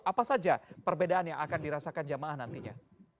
apa saja perbedaan yang akan dirasakan jamaah nantinya